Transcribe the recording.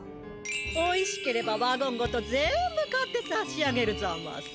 おいしければワゴンごと全部買ってさしあげるざます。